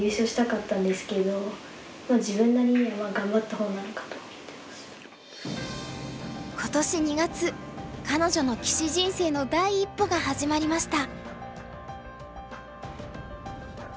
その悔しさをバネに挑んだ今年２月彼女の棋士人生の第一歩が始まりました。